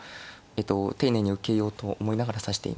丁寧に受けようと思いながら指していました。